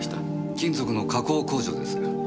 金属の加工工場です。